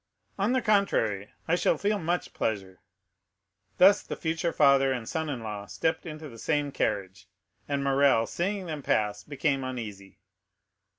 "On the contrary, I shall feel much pleasure." Thus, the future father and son in law stepped into the same carriage, and Morrel, seeing them pass, became uneasy.